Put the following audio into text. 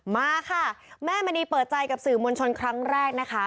มาค่ะแม่มณีเปิดใจกับสื่อมวลชนครั้งแรกนะคะ